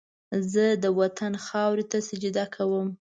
زه د وطن خاورې ته سجده کوم